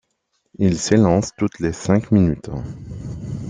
Ils s'élancent toutes les cinq minutes.